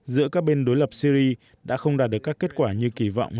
giữa các bên đối lập syri đã không đạt được các kết quả như kỳ vọng